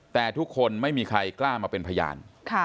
แต่ทุกคนไม่มีใครกล้ามาเป็นพยาน